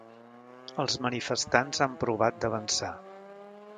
els manifestants han provat d'avançar